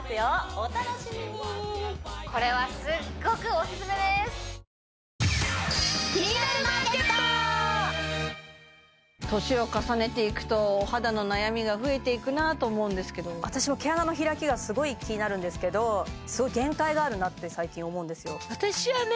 お楽しみにこれはすっごくおすすめです年を重ねていくとお肌の悩みが増えていくなと思うんですけど私は毛穴の開きがすごい気になるんですけどすごい限界があるなって最近思うんですよ